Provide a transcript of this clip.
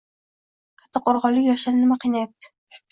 Kattaqo‘rg‘onlik yoshlarni nima qiynayapti?